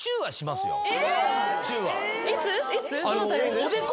いつ？